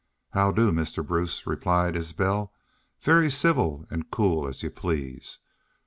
"'Hod do, Mister Bruce,' replied Isbel, very civil ant cool as you please.